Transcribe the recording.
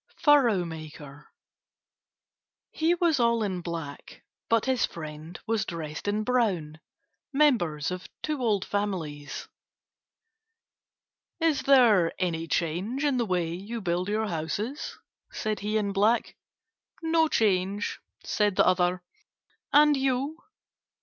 FURROW MAKER He was all in black, but his friend was dressed in brown, members of two old families. "Is there any change in the way you build your houses?" said he in black. "No change," said the other. "And you?"